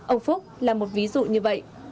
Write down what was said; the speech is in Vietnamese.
ông phúc là một ví dụ như vậy